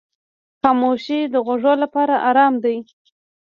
خاموشي د غوږو لپاره آرام دی.